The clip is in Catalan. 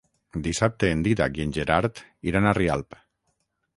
Dissabte en Dídac i en Gerard iran a Rialp.